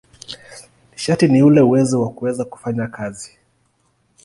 Nishati ni ule uwezo wa kuweza kufanya kazi.